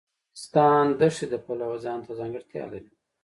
افغانستان د ښتې د پلوه ځانته ځانګړتیا لري.